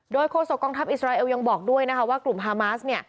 โดยโฆษกลกองทัพอิสราเอลยังบอกด้วยนะครัวว่า